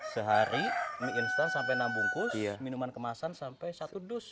sehari mie instan sampai enam bungkus minuman kemasan sampai satu dus